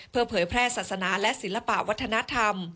เพื่อเผยแพร่ศาสนาและศิลปะวัฒนธรรม